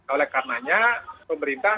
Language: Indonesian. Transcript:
oleh karenanya pemerintah